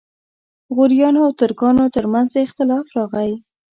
غوریانو او ترکانو ترمنځ اختلاف راغی.